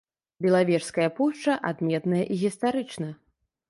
Белавежская пушча адметная і гістарычна.